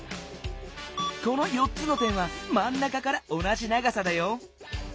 この４つの点はまんなかから同じ長さだよ。